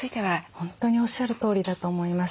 本当におっしゃるとおりだと思います。